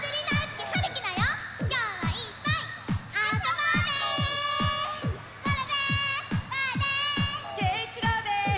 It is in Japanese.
けいいちろうです！